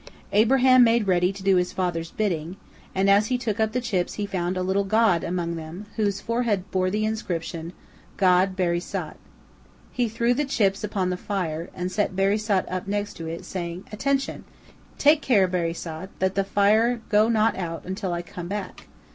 Abraham made ready to do his father's bidding, and as he took up the chips he found a little god among them, whose forehead bore the inscription "God Barisat." He threw the chips upon the fire, and set Barisat up next to it, saying: "Attention! Take care, Barisat, that the fire go not out until I come back.